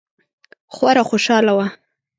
خورا خوشحاله وه.